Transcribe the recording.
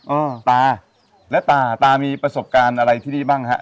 เออตาและตาตามีประสบการณ์อะไรที่นี่บ้างฮะ